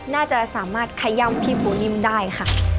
น่าจะสามารถขย่ำพี่ปูนิ่มได้ค่ะ